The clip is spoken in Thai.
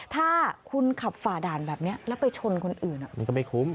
ถ้าคุณขับฝ่าด่านแบบนี้แล้วไปชนคนอื่นมันก็ไม่คุ้ม